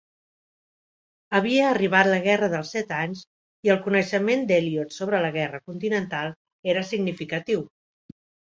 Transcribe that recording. Havia arribat la Guerra dels Set Anys i el coneixement d'Elliott sobre la guerra continental era significatiu.